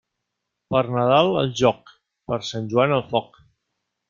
Per Nadal al jóc, per Sant Joan al foc.